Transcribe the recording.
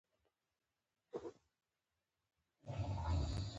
د له منځه وړلو وظیفه ورکړه.